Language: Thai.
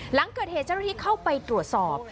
หลังเกิดเหตุที่เข้าไปตรวจสอบ